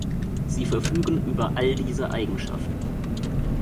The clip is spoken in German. Sie verfügen über all diese Eigenschaften.